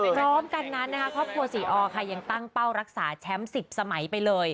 พร้อมกันนั้นนะคะครอบครัวศรีออค่ะยังตั้งเป้ารักษาแชมป์๑๐สมัยไปเลย